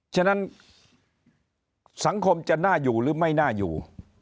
ฉะนั้นสังคมจะน่าอยู่หรือไม่น่าอยู่